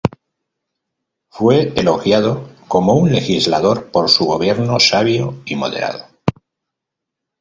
Fue elogiado como un legislador por su "gobierno sabio y moderado".